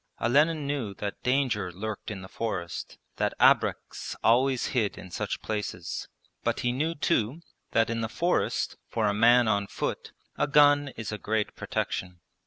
Olenin knew that danger lurked in the forest, that abreks always hid in such places. But he knew too that in the forest, for a man on foot, a gun is a great protection.